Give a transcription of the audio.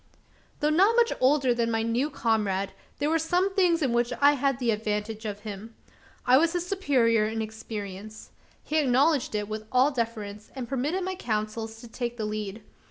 Though not much older than my new comrade, there were some things in which I had the advantage of him. I was his superior in experience. He acknowledged it with all deference, and permitted my counsels to take the lead.